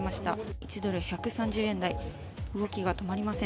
１ドル＝１３０円台、動きが止まりません。